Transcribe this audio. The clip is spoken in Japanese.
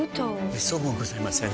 めっそうもございません。